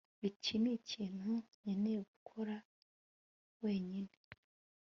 iki nikintu nkeneye gukora wenyine